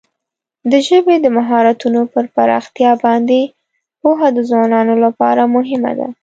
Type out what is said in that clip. د ژبې د مهارتونو پر پراختیا باندې پوهه د ځوانانو لپاره مهمه ده.